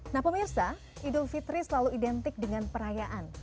nah pemirsa idul fitri selalu identik dengan perayaan